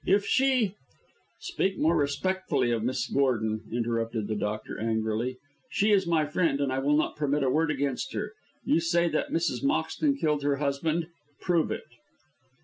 If she " "Speak more respectfully of Miss Gordon," interrupted the doctor, angrily. "She is my friend, and I will not permit a word against her. You say that Mrs. Moxton killed her husband. Prove it!"